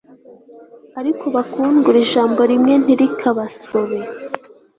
ariko bakundwa iri jambo rimwe ntirikabasobe